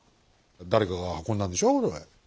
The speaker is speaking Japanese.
誰かが運んだんでしょそれ。